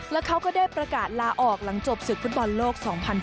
แล้วเขาก็ได้ประกาศลาออกหลังจบศึกฟุตบอลโลก๒๐๑๘